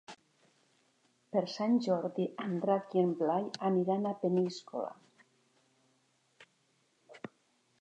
Per Sant Jordi en Drac i en Blai aniran a Peníscola.